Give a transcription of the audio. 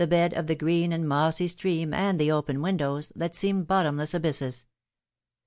bed of the green and mossy stream, and the open windows, that seemed bottomless abysses.